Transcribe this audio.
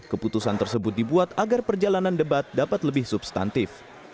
keputusan tersebut dibuat agar perjalanan debat dapat lebih substantif